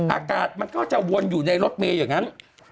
อากาศมันก็จะวนอยู่ในรถเมย์อย่างนั้น